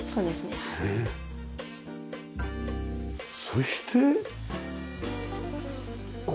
そして。